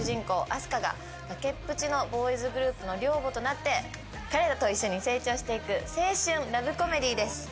・あす花が崖っぷちボーイズグループの寮母となって彼らと一緒に成長していく青春ラブコメディです。